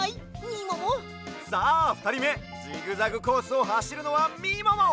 さあふたりめジグザグコースをはしるのはみもも！